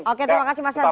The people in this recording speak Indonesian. oke terima kasih mas anta